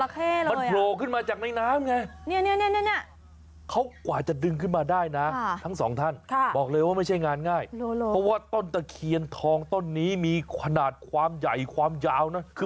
พอจังหวัดดึงขึ้นมาได้โอ้โหนึกว่าไอ้เข้